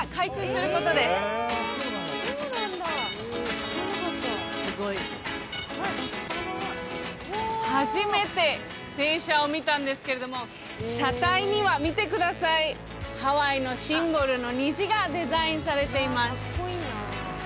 なんと初めて電車を見たんですけれども車体には見てくださいハワイのシンボルの虹がデザインされています